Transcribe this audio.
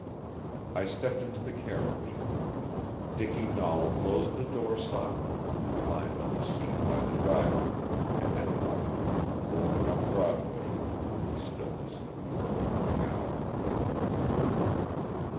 I stepped into the carriage. Dicky Nahl closed the door softly and climbed on the seat by the driver, and in a moment we were rolling up Broadway in the gloomy stillness of the early morning hour.